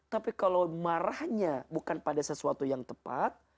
tapi kalau marahnya bukan pada sesuatu yang tepat